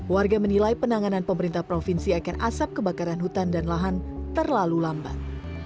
warga menilai penanganan pemerintah provinsi akan asap kebakaran hutan dan lahan terlalu lambat